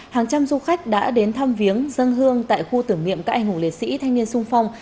hàng trăm du khách đã đến thăm viếng dân hương tại khu tưởng niệm các anh hùng liệt sĩ thanh niên sung phong